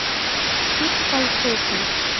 Ик колхозник.